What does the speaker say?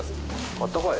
あったかい